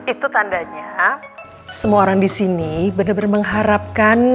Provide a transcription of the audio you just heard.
itu tandanya semua orang di sini benar benar mengharapkan